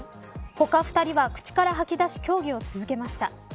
他２人は口から吐き出し競技を続けました。